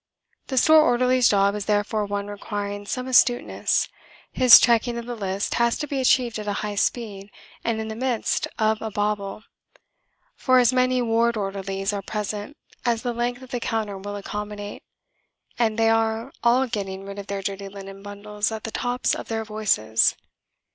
The store orderly's job is therefore one requiring some astuteness: his checking of the list has to be achieved at a high speed and in the midst of a babel; for as many ward orderlies are present as the length of the counter will accommodate, and they are all getting rid of their dirty linen bundles at the tops of their voices.